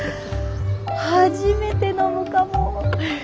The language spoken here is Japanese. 初めて飲むかも。